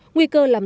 nguy cơ làm tệ